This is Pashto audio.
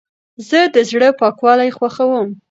زه د زړه پاکوالی خوښوم.